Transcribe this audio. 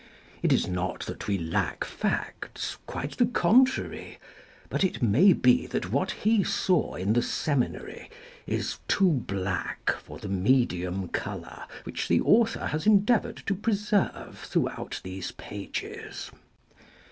It is not that we lack facts ; quite the contrary. But it may be that what he saw in the seminary is too black for the medium colour which the author has endeavoured to preserve through out these pages.